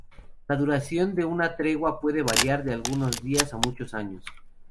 La duración de una tregua puede variar de algunos días a muchos años.